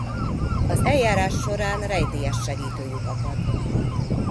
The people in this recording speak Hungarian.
Az eljárás során rejtélyes segítőjük akad.